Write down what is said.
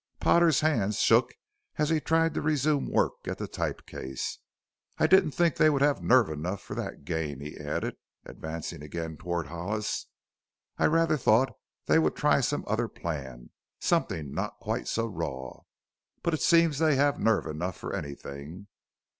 Potter's hands shook as he tried to resume work at the type case. "I didn't think they would have nerve enough for that game," he added, advancing again toward Hollis. "I rather thought they would try some other plan something not quite so raw. But it seems they have nerve enough for anything.